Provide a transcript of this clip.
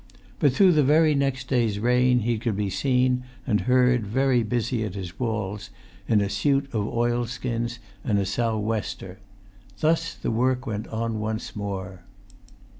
But through the very next day's rain he could be seen (and heard) very busy at his walls: in a suit of oilskins and a sou'wester. Thus the work went on once more.